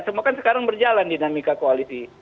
semua kan sekarang berjalan dinamika koalisi